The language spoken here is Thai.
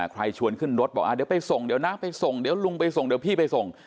ชวนขึ้นรถบอกเดี๋ยวไปส่งเดี๋ยวนะไปส่งเดี๋ยวลุงไปส่งเดี๋ยวพี่ไปส่ง